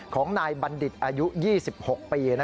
ของนายบันดิตอายุ๒๖ปีนะครับ